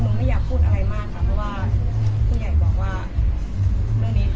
ไม่อยากพูดอะไรมากค่ะเพราะว่าผู้ใหญ่บอกว่าเรื่องนี้